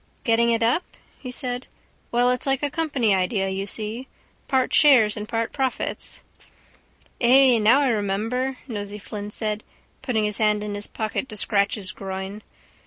—Getting it up? he said. Well, it's like a company idea, you see. Part shares and part profits. —Ay, now I remember, Nosey Flynn said, putting his hand in his pocket to scratch his groin.